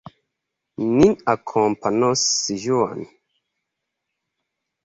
Nin akompanos Juan.